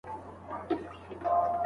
موږ یو د بل سره مرسته کوو.